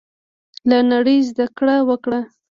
له نړۍ زده کړه وکړو.